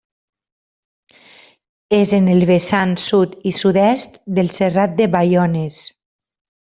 És en el vessant sud i sud-est del Serrat de Baiones.